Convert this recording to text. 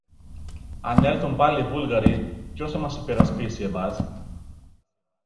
"Αν έλθουν πάλι οι Βούλγαροι, ποιος θα μας υπερασπίσει εμάς;".